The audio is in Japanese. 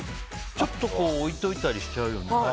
ちょっと置いといたりしちゃうよね。